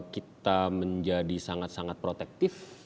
kita menjadi sangat sangat protektif